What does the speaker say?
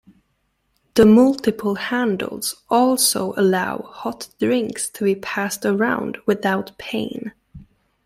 The multiple handles also allow hot drinks to be passed around without pain.